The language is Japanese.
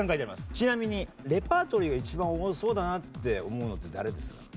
ちなみにレパートリーが一番多そうだなって思うのって誰ですか？